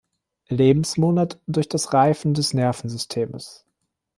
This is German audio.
Lebensmonat durch das Reifen des Nervensystems.